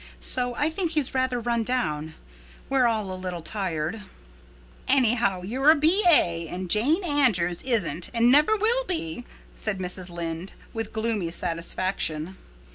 So I think he's rather run down. We're all a little tired." "Anyhow, you're a B.A. and Jane Andrews isn't and never will be," said Mrs. Lynde, with gloomy satisfaction.